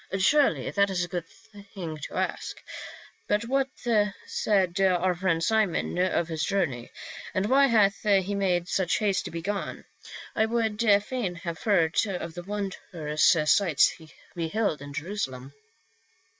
" Assuredly, that is a good thing to ask. But what said our friend Simon of his journey ? And why hath he made such haste to be gone ? I would fain have heard of the wondrous sights he beheld in Jerusalem."